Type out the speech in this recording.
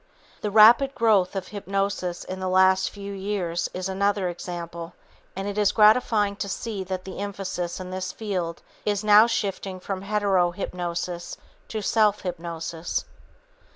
The rapid growth of hypnosis in the last few years is another example, and it is gratifying to see that the emphasis in this field is now shifting from hetero hypnosis to self hypnosis.